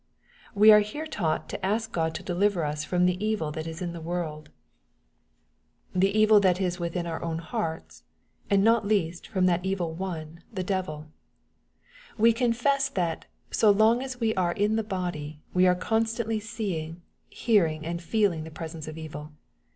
We are here taught to ask Qod to deliver us from the evil that is in the world, 54 EXPOsrroBT thoughts. the evil that ib within our own hearts, and not least from that evil one, the devil. We confess that, so long as we are in the body, we are constantly seeing, hearing, and feeling the presence of evil.